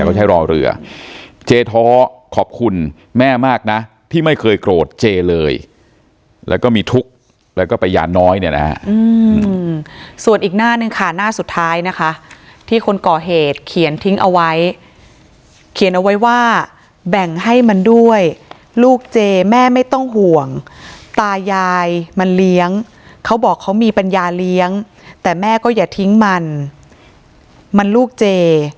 เขาใช้รอเรือเจท้อขอบคุณแม่มากนะที่ไม่เคยโกรธเจเลยแล้วก็มีทุกข์แล้วก็ไปยาน้อยเนี่ยนะฮะส่วนอีกหน้าหนึ่งค่ะหน้าสุดท้ายนะคะที่คนก่อเหตุเขียนทิ้งเอาไว้เขียนเอาไว้ว่าแบ่งให้มันด้วยลูกเจแม่ไม่ต้องห่วงตายายมันเลี้ยงเขาบอกเขามีปัญญาเลี้ยงแต่แม่ก็อย่าทิ้งมันมันลูกเจ